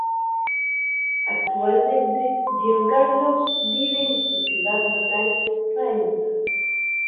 Actualmente, Giancarlo vive en su ciudad natal, Faenza.